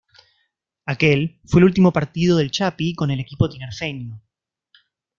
Aquel fue el último partido del "Chapi" con el equipo tinerfeño.